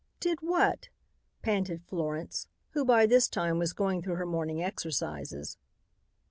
"Did what?" panted Florence, who by this time was going through her morning exercises.